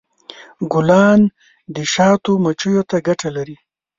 ګلان د شاتو مچیو ته ګټه لري.